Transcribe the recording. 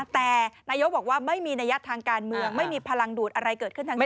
แต่นายกบอกว่าไม่มีนัยยะทางการเมืองไม่มีพลังดูดอะไรเกิดขึ้นทั้งนั้น